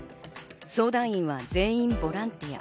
相談員は全員ボランティア。